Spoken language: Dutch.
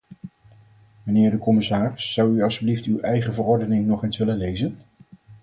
Mijnheer de commissaris, zou u alstublieft uw eigen verordening nog eens willen lezen?